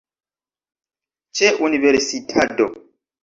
Ĉe universitado